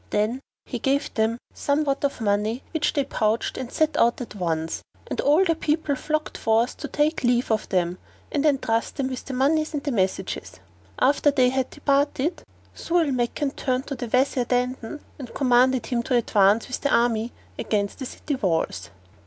Then he gave them somewhat of money, which they pouched and set out at once; and all the people flocked forth to take leave of them; and entrust them with the monies and the messages. After they had departed, Zau al Makan turned to the Wazir Dandan and commanded him to advance with the army against the city walls.